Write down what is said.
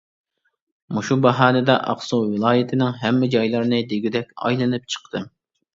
مۇشۇ باھانىدە ئاقسۇ ۋىلايىتىنىڭ ھەممە جايلىرىنى دېگۈدەك ئايلىنىپ چىقتىم.